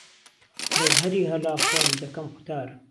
به زههری ههلا خۆم دهکهم قوتار